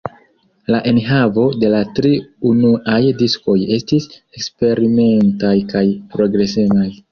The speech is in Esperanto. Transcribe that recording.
La enhavo de la tri unuaj diskoj estis eksperimentaj kaj progresemaj.